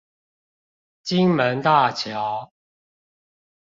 金門大橋